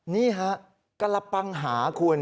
นี่ฮะกระปังหาคุณ